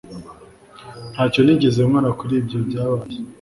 Ntacyo nigeze nkora kuri ibyo byabaye.